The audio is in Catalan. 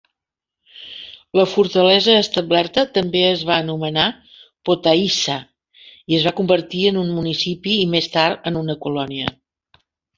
La fortalesa establerta també es va anomenar "Potaissa" i es va convertir en un municipi, i més tard en una colònia.